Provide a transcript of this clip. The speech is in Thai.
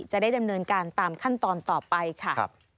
จะได้ดำเนินการตามขั้นตอนต่อไปค่ะ